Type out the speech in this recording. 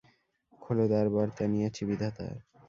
খোলো দ্বার, বার্তা আনিয়াছি বিধাতার।